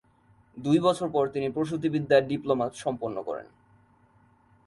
দুই বছর পর তিনি প্রসূতিবিদ্যায় ডিপ্লোমা সম্পন্ন করেন।